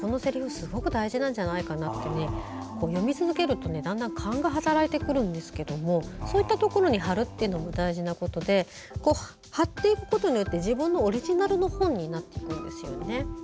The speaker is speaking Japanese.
すごく大事なんじゃないかなって読み続けるとだんだん勘が働いてくるんですけどそういったところに貼るのも大事なことで貼っていくことによって自分のオリジナルの本になっていくんですね。